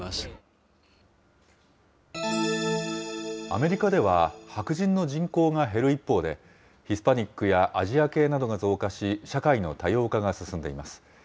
アメリカでは、白人の人口が減る一方で、ヒスパニックやアジア系などが増加し、社会の多様化が進んでいます。